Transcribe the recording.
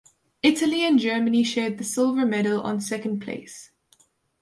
Italy and Germany shared the silver medal on second place.